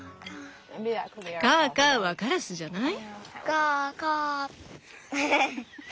カーカーはカラスじゃない？